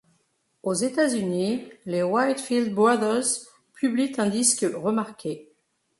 Aux États-Unis, les Whitefield Brothers publient un disque remarqué, '.